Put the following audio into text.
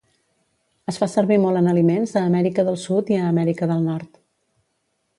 Es fa servir molt en aliments a Amèrica del Sud i a Amèrica del Nord.